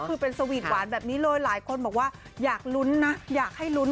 คือเป็นสวีทหวานแบบนี้เลยหลายคนบอกว่าอยากลุ้นนะอยากให้ลุ้น